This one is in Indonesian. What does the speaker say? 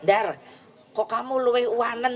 dar kok kamu lebih warnan